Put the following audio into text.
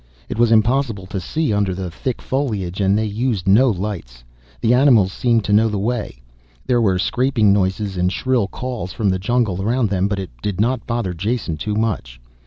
It was impossible to see under the thick foliage, and they used no lights. The animals seemed to know the way. There were scraping noises and shrill calls from the jungle around them, but it didn't bother Jason too much.